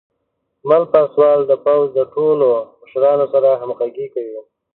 مل پاسوال د پوځ د ټولو مشرانو سره همغږي کوي.